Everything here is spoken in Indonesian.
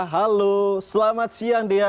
halo selamat siang daya